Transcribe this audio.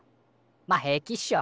まあ平気っしょ。